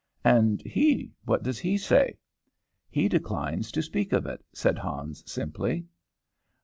"And he what does he say?" "He declines to speak of it," said Hans, simply.